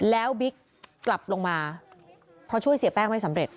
แล้วบิ๊กกลับลงมาเพราะช่วยเสียแป้งไม่สำเร็จ